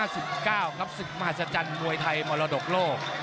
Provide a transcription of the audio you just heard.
ศึกมหัศจรรย์มวยไทยมรดกโลก